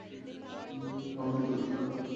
County দলটি কার্যকরী মৌসুম অতিবাহিত করে।